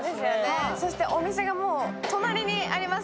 そしてお店がもう、隣にあります